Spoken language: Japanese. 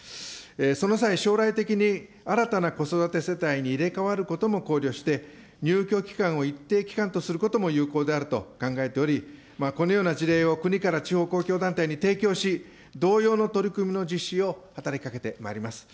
その際、将来的に新たな子育て世帯に入れ代わることも考慮して、入居期間を一定期間とすることも有効であると考えており、このような事例を国から地方公共団体に提供し、同様の取り組みの実施を働きかけてまいります。